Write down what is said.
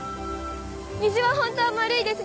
虹はホントはまるいです